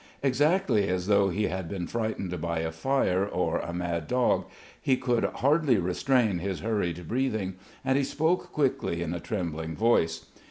Exactly as though he had been frightened by a fire or a mad dog, he could hardly restrain his hurried breathing, and he spoke quickly in a trembling voice.